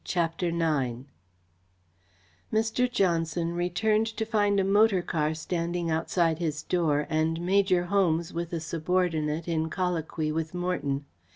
CHAPTER IX Mr. Johnson returned to find a motor car standing outside his door and Major Holmes with a subordinate in colloquy with Morton.